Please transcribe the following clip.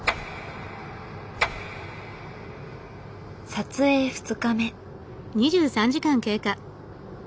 撮影２日目。